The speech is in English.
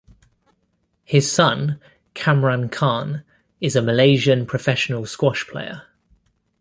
His son Kamran Khan is a Malaysian professional squash player.